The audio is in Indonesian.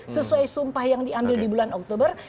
sesuai sumpah yang diambil di bulan oktober